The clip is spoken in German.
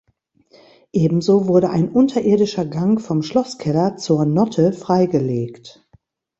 Ebenso wurde ein unterirdischer Gang vom Schlosskeller zur Notte freigelegt.